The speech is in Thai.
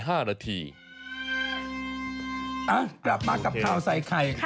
ยังช็อกไม่หาย